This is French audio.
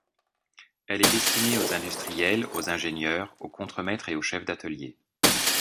Elle est destinée aux industriels, aux ingénieurs, aux contremaîtres et aux chefs d'atelier.